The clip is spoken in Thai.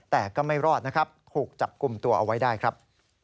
แต่ก็ไม่รอดนะครับถูกจับกลุ่มตัวเอาไว้ได้ครับ